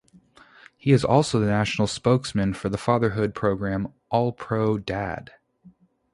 He is also the national spokesman for the fatherhood program All Pro Dad.